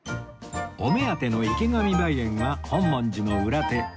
お目当ての池上梅園は本門寺の裏手